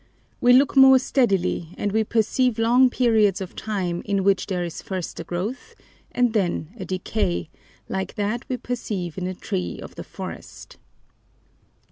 We look more steadily, and we perceive long periods of time, in which there is first a growth and then a decay, like what we perceive in a tree of the forest."